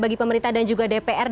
bagi pemerintah dan juga dpr